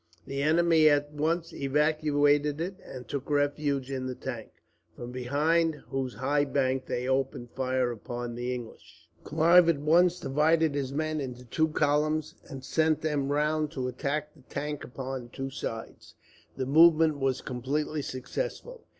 The enemy at once evacuated it, and took refuge in the tank, from behind whose high bank they opened fire upon the English. Clive at once divided his men into two columns, and sent them round to attack the tank upon two sides. The movement was completely successful.